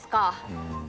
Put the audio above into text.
うん。